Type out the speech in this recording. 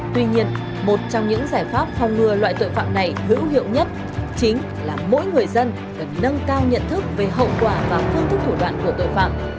tuy nhiên một trong những giải pháp phòng ngừa loại tội phạm này hữu hiệu nhất chính là mỗi người dân cần nâng cao nhận thức về hậu quả và phương thức thủ đoạn của tội phạm